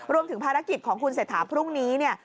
รวมถึงภารกิจของคุณเสถาพรุ่งนี้